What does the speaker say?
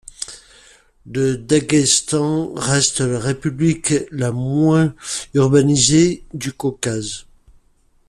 Le Daghestan reste la république la moins urbanisée du Caucase.